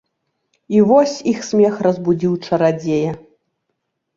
І вось іх смех разбудзіў чарадзея.